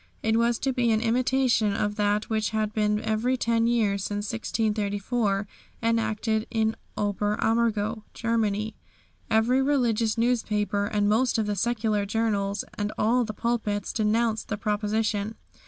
It was to be an imitation of that which had been every ten years, since 1634, enacted in Ober Ammergau, Germany. Every religious newspaper and most of the secular journals, and all the pulpits, denounced the proposition.